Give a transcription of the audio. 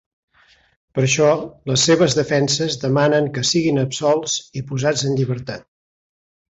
Per això, les seves defenses demanen que siguin absolts i posats en llibertat.